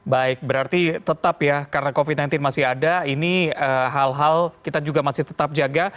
baik berarti tetap ya karena covid sembilan belas masih ada ini hal hal kita juga masih tetap jaga